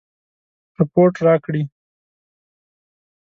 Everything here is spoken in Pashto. رپوټ راکړي.